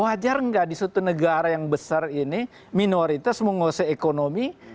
wajar nggak di suatu negara yang besar ini minoritas menguasai ekonomi